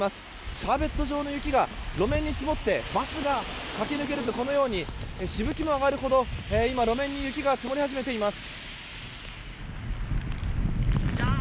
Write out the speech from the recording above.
シャーベット状の雪が路面に積もってバスが駆け抜けるとこのようにしぶきも上がるほど路面に雪が積もり始めています。